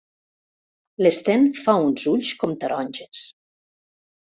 L'Sten fa uns ulls com taronges.